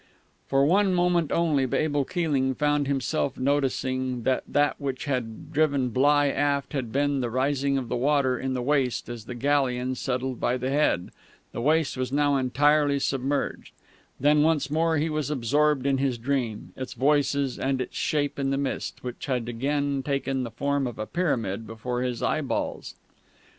For one moment only Abel Keeling found himself noticing that that which had driven Bligh aft had been the rising of the water in the waist as the galleon settled by the head the waist was now entirely submerged; then once more he was absorbed in his dream, its voices, and its shape in the mist, which had again taken the form of a pyramid before his eyeballs.